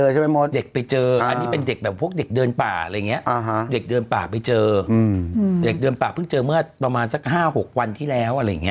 ถูกต้องเออต้องเจอ๙เหรอคุณแม่